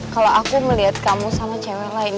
kalau aku melihat kamu sama cewek lain